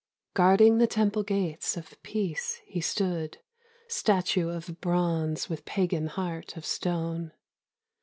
Guarding the temple gates of peace he stood, Statue of bronze with pagan heart of stone.